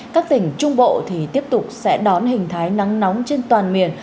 các tỉnh trung bộ thì tiếp tục sẽ đón hình thái nắng nóng trên toàn miền